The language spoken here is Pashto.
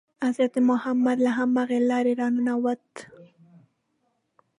حضرت محمد له همغې لارې را ننووت.